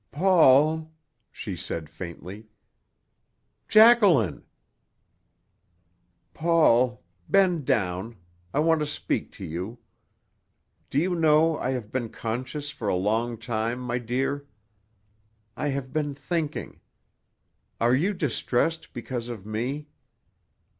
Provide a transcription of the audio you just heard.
"Paul!" she said faintly. "Jacqueline!" "Paul! Bend down. I want to speak to you. Do you know I have been conscious for a long time, my dear? I have been thinking. Are you distressed because of me?"